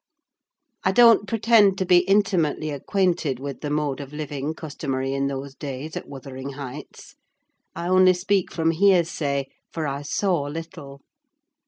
I don't pretend to be intimately acquainted with the mode of living customary in those days at Wuthering Heights: I only speak from hearsay; for I saw little.